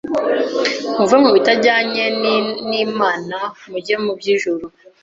muve mubitajyanye ni mana muge nu byi juru